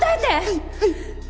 はい！